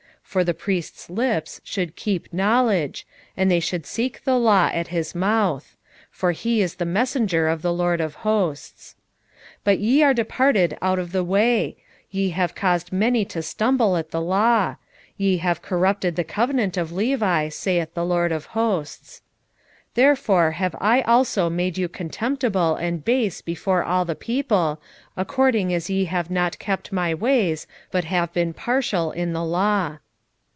2:7 For the priest's lips should keep knowledge, and they should seek the law at his mouth: for he is the messenger of the LORD of hosts. 2:8 But ye are departed out of the way; ye have caused many to stumble at the law; ye have corrupted the covenant of Levi, saith the LORD of hosts. 2:9 Therefore have I also made you contemptible and base before all the people, according as ye have not kept my ways, but have been partial in the law.